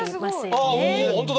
あ本当だ。